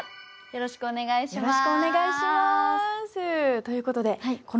よろしくお願いします。